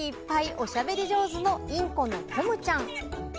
お喋り上手のインコのポムちゃん。